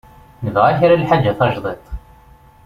Nebɣa kra n lḥaǧa tajdidt.